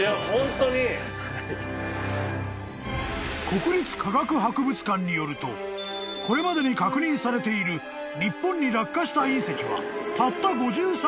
［国立科学博物館によるとこれまでに確認されている日本に落下した隕石はたった］